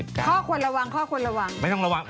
ข้อควรระวังข้อควรระวัง